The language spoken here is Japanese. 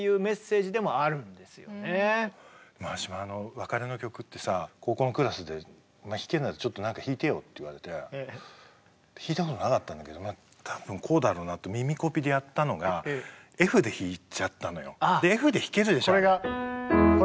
「別れの曲」ってさあ高校のクラスで「お前弾けるならちょっとなんか弾いてよ」って言われて弾いたことなかったんだけど多分こうだろうなって耳コピでやったのがＦで弾けるでしょあれ。